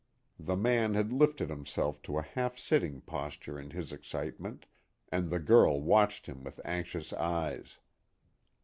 The man had lifted himself to a half sitting posture in his excitement, and the girl watched him with anxious eyes.